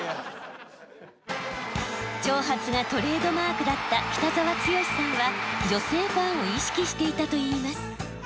長髪がトレードマークだった北澤豪さんは女性ファンを意識していたといいます。